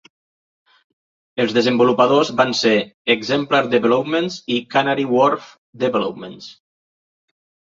Els desenvolupadors van ser Exemplar Developments i Canary Wharf Developments.